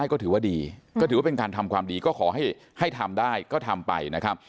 ก็ถือว่าดีก็ถือว่าเป็นการทำความดีก็ขอให้ทำได้ก็ทำไปนะครับ